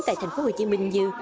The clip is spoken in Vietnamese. tại tp hcm như